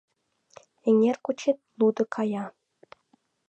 Эҥер гочет лудо кая